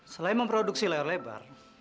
selain memproduksi layar lebar